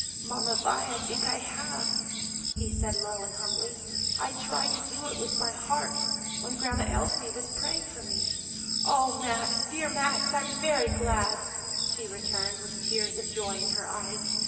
"Mamma Vi, I think I have," he said low and humbly; "I tried to do it with my heart, when Grandma Elsie was praying for me." "O Max, dear Max, I am very glad!" she returned with tears of joy in her eyes.